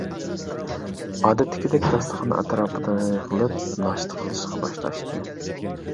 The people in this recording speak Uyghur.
ئادەتتىكىدەك داستىخان ئەتراپىدا يىغىلىپ، ناشتا قىلىشقا باشلاشتى.